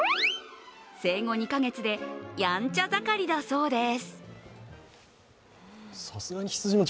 生後２か月でやんちゃ盛りだそうです。